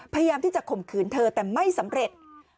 พยายามที่จะข่มขืนเธอแต่ไม่สำเร็จ